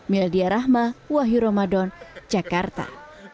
mildya rahma wahyu ramadan jakarta